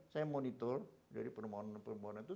saya monitor dari permohonan permohonan itu